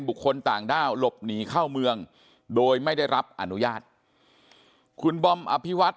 บุคคลต่างด้าวหลบหนีเข้าเมืองโดยไม่ได้รับอนุญาตคุณบอมอภิวัต